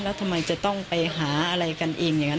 แล้วทำไมจะต้องไปหาอะไรกันเองอย่างนั้น